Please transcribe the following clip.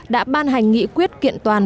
đã ban hành nghị quyết kiện toàn